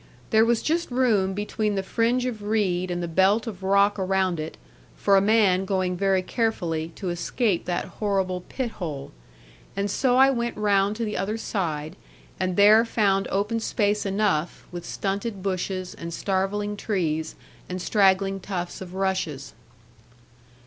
There was just room between the fringe of reed and the belt of rock around it, for a man going very carefully to escape that horrible pit hole. And so I went round to the other side, and there found open space enough, with stunted bushes, and starveling trees, and straggling tufts of rushes.